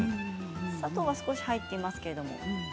砂糖が少し入っていますけど。